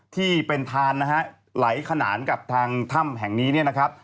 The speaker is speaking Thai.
ที่เป็นทานนะฮะไหลขนานกับทางถ้ำแห่งนี้เนี่ยนะครับ